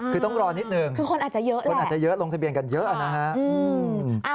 คือต้องรอนิดหนึ่งคนอาจจะเยอะลงทะเบียนกันเยอะนะฮะ